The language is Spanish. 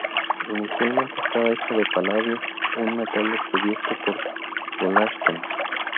Inicialmente estaba hecha de paladio, un metal descubierto por Wollaston.